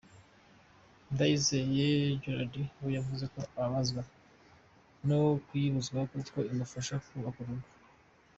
Ndayizeye Gérard we yavuze ko ababazwa no kuyibuzwa kuko imufasha mu kubaka urugo.